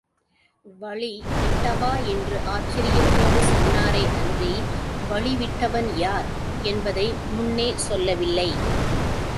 வழிவிட்டவா என்று ஆச்சரியத்தோடு சொன்னாரேயன்றி வழி விட்டவன் யார் என்பதை முன்னே சொல்லவில்லை.